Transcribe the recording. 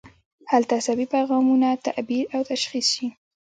هلته عصبي پیغامونه تعبیر او تشخیص شي.